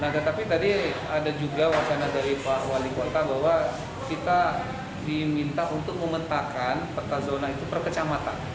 nah tetapi tadi ada juga wacana dari wali kota bahwa kita diminta untuk memetakan peta zona itu perkecamatan